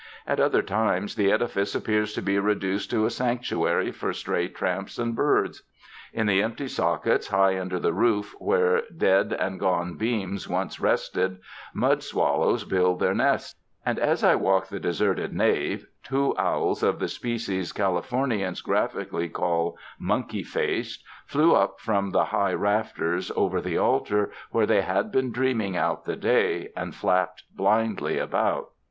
At other times, the edifice appears to be reduced to a sanctuary for stray tramps and birds. In the empty sockets high under the roof, where dead and gone beams once rested, mud swallows build their nests, and as I walked the deserted nave, two owls of the species Californians graphically call "monkey faced" flew up from the high rafters over the altar where they had been dreaming out the day, and flapped blindly about.